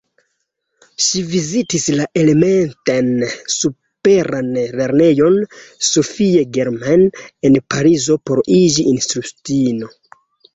Ŝi vizitis la elementan superan lernejon Sophie Germain en Parizo por iĝi instruistino.